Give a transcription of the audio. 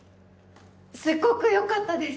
すっごくよかったです。